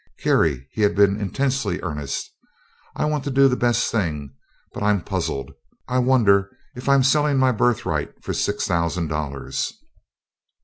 "Carrie," he had been intensely earnest. "I want to do the best thing, but I'm puzzled. I wonder if I'm selling my birthright for six thousand dollars?"